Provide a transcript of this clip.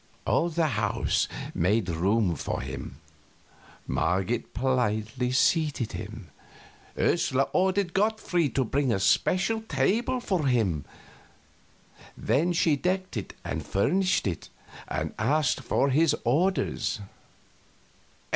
All the house made room for him; Marget politely seated him; Ursula ordered Gottfried to bring a special table for him. Then she decked it and furnished it, and asked for his orders.